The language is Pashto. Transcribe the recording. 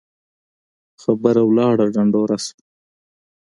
خبره لاړه ډنډوره سوه